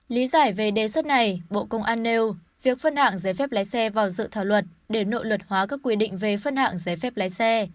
lý giải về đề xuất này bộ công an nêu việc phân hạng giấy phép lái xe vào dự thảo luật để nội luật hóa các quy định về phân hạng giấy phép lái xe